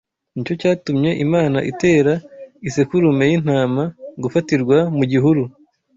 Ni cyo cyatumye Imana itera isekurume y’intama gufatirwa mu gihuru